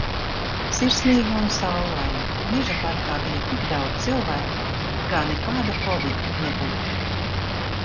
Sirsnīga un saulaina. Mežaparkā bija tik daudz cilvēku, it kā nekāda kovid nebūtu.